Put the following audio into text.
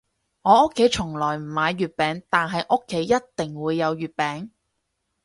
我屋企從來唔買月餅，但係屋企一定會有月餅